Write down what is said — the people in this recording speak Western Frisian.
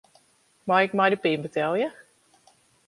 Mei ik mei de pin betelje?